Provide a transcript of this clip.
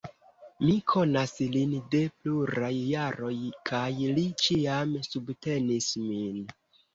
Mi konas lin de pluraj jaroj, kaj li ĉiam subtenis min.